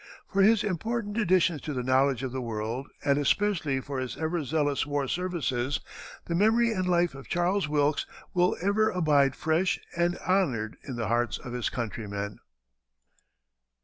For his important additions to the knowledge of the world, and especially for his ever zealous war services, the memory and life of Charles Wilkes will ever abide fresh and honored in the hearts of his countrymen.